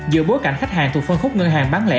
giữa bối cảnh khách hàng thuộc phân khúc ngân hàng bán lẻ